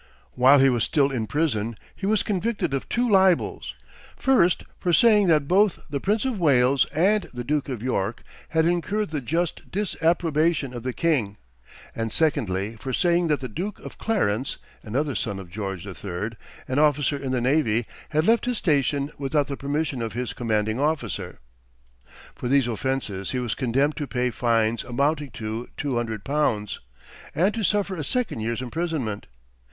While he was still in prison, he was convicted of two libels: first for saying that both the Prince of Wales and the Duke of York had incurred the just disapprobation of the king; and secondly, for saying that the Duke of Clarence, another son of George III., an officer in the navy, had left his station without the permission of his commanding officer. For these offenses he was condemned to pay fines amounting to two hundred pounds, and to suffer a second year's imprisonment.